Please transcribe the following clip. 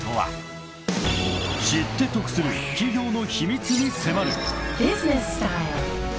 ［知って得する企業の秘密に迫る］